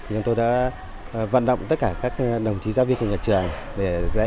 mình đã vận động tất cả các đồng chí giáo viên của nhà trường